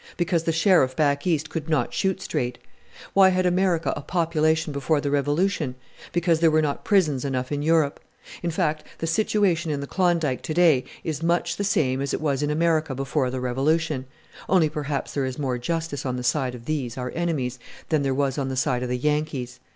Because the Sheriff back East could not shoot straight. Why had America a population before the Revolution? Because there were not prisons enough in Europe. In fact, the situation in the Klondike to day is much the same as it was in America before the Revolution only perhaps there is more justice on the side of these, our enemies, than there was on the side of the Yankees.